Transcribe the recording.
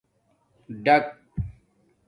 ڈک